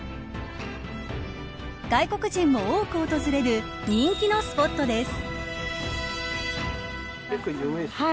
外国人も多く訪れる人気のスポットです。